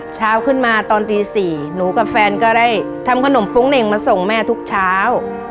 เช้าขึ้นมาตอนตี๔หนูกับแฟนก็ได้ทำขนมโป๊งเหน่งมาส่งแม่ทุกเช้า